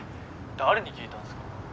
誰に聞いたんすか？